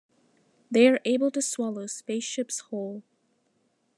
They are able to swallow spaceships whole.